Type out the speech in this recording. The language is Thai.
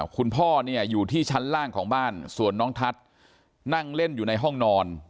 คุณพ่อเนี่ยอยู่ที่ชั้นล่างของบ้านส่วนน้องทัศน์นั่งเล่นอยู่ในห้องนอน